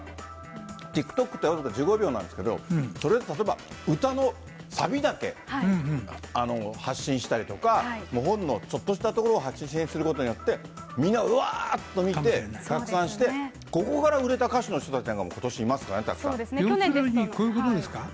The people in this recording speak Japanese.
ＴｉｋＴｏｋって僅か１５秒なんですけど、とりあえず例えば歌のサビだけ発信したりとか、ほんのちょっとしたところを発信することによって、みんな、わーっと見て、拡散して、ここから売れた歌手の人たちなんかも、そうですね、要するに、こういうことですか？